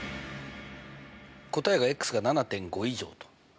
答えがが７．５以上と。